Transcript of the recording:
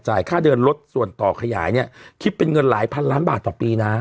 ค่าเดินรถส่วนต่อขยายเนี่ยคิดเป็นเงินหลายพันล้านบาทต่อปีนะ